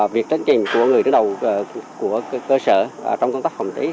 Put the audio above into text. việc tránh trình của người đứng đầu của cơ sở trong công tác phòng cháy